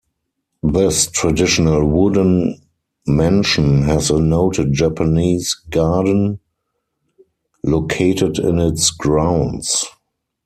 This traditional wooden mansion has a noted Japanese garden located in its grounds.